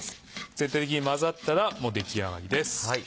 全体的に混ざったらもう出来上がりです。